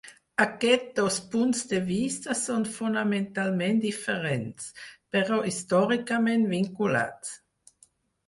Aquests dos punts de vista són fonamentalment diferents, però històricament vinculats.